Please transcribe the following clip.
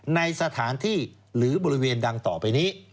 ในสถานที่หรือบริเวณดังต่อไปนี้